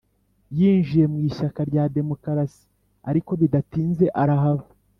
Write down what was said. yinjiye mu ishyaka rya demokarasi ariko bidatinze arahava.